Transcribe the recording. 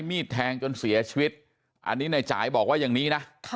มีดแทงจนเสียชีวิตอันนี้ในจ่ายบอกว่าอย่างนี้นะ